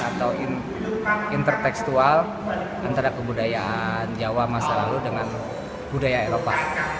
atau intertekstual antara kebudayaan jawa masa lalu dengan budaya eropa